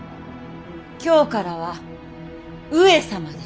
今日からは上様です。